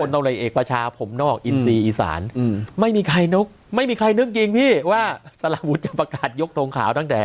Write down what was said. คนต้องรายเอกประชาผมนอกอินซีอีสานไม่มีใครนึกจริงพี่ว่าสลาวุธจะประกาศยกทงข่าวตั้งแต่